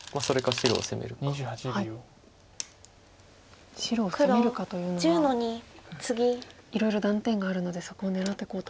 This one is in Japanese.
白を攻めるかというのはいろいろ断点があるのでそこを狙っていこうと。